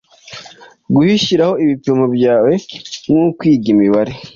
guhyiraho ibipimo byawe nkukwiga imibare